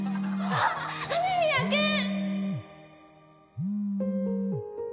あっ雨宮くん！